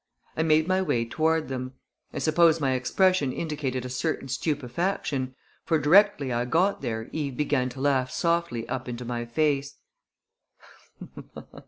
I made my way toward them. I suppose my expression indicated a certain stupefaction, for directly I got there Eve began to laugh softly up into my face.